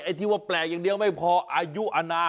ที่ว่าแปลกอย่างเดียวไม่พออายุอนาค